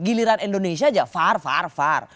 giliran indonesia aja far var far